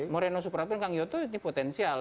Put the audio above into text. moreno supratun kang yoto ini potensial